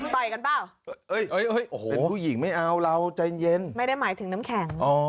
ต่อยกันเปล่าเป็นผู้หญิงไม่เอาเราใจเย็นไม่ได้หมายถึงน้ำแข็ง